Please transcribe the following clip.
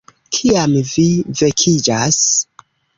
- Kiam vi vekiĝas